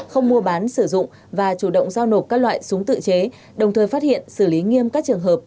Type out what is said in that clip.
không mua bán sử dụng và chủ động giao nộp các loại súng tự chế đồng thời phát hiện xử lý nghiêm các trường hợp